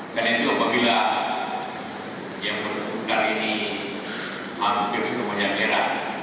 dan itu apabila yang berbuka ini hampir semuanya kera